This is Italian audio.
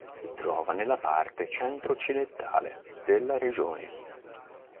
Si trova nella parte centro-occidentale della regione.